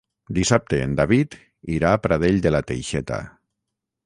Dissabte en David irà a Pradell de la Teixeta.